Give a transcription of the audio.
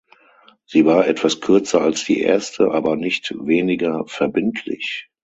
Sie war etwas kürzer als die erste, aber nicht weniger verbindlich.